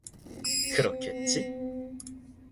그렇겠지?